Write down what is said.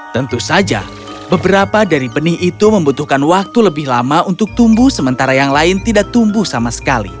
tentu saja beberapa dari benih itu membutuhkan waktu lebih lama untuk tumbuh sementara yang lain tidak tumbuh sama sekali